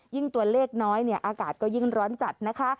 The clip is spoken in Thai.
ตัวเลขน้อยอากาศก็ยิ่งร้อนจัดนะคะ